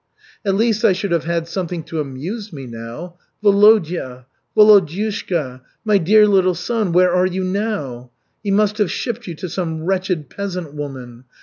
"At least, I should have had something to amuse me now. Volodya, Volodyushka! My dear little son! Where are you now? He must have shipped you to some wretched peasant woman.